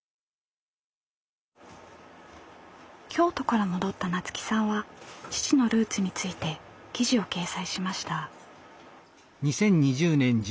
京都から戻った菜津紀さんは父のルーツについて記事を掲載しました。